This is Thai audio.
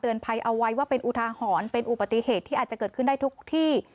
ภัยเอาไว้ว่าเป็นอุทาหรณ์เป็นอุปติเหตุที่อาจจะเกิดขึ้นได้ทุกที่